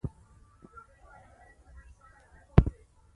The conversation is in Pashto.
برېټانیا د چټک سیاسي مرکزیت خاونده شوه.